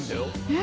え？